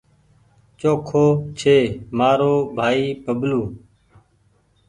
چوکو ڇي مآرو ڀآئي ببلو